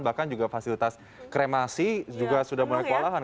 bahkan juga fasilitas kremasi juga sudah mulai kewalahan